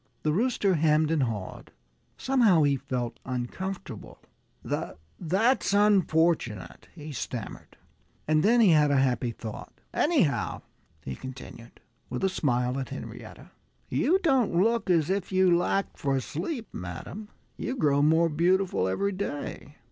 The Booster hemmed and hawed. Somehow he felt uncomfortable. "That's unfortunate," he stammered. And then he had a happy thought. "Anyhow," he continued, with a smile at Henrietta, "you don't look as if you lacked for sleep, madam. You grow more beautiful every day."